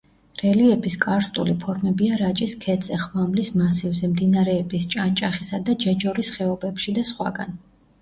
რელიეფის კარსტული ფორმებია რაჭის ქედზე, ხვამლის მასივზე, მდინარეების ჭანჭახისა და ჯეჯორის ხეობებში და სხვაგან.